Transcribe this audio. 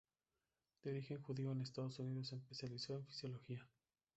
De origen judío, en Estados Unidos se especializó en Fisiología.